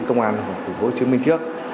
công an tp hcm trước